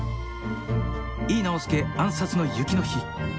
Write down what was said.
井伊直弼暗殺の雪の日。